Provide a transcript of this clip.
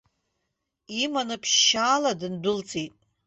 Иманы ԥшьшьала дындәылҵит.